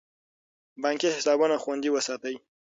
بانکي حسابونه خوندي وساتئ.